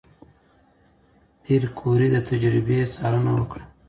پېیر کوري د تجربې څارنه وکړه.